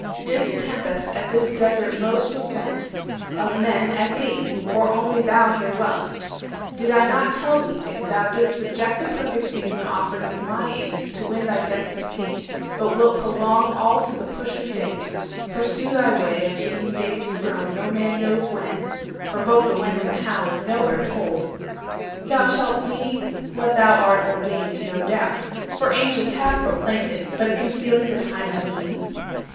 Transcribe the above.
This tempest at this desert most was bent; Of men at thee, for only thou here dwell'st. Did I not tell thee, if thou didst reject The perfect season offered with my aid To win thy destined seat, but wilt prolong All to the push of fate, pursue thy way 470 Of gaining David's throne no man knows when (For both the when and how is nowhere told), Thou shalt be what thou art ordained, no doubt; For Angels have proclaimed it, but concealing The time and means?